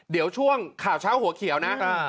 เดี๋ยวช่วงข่าวเช้าหัวเขียวนะ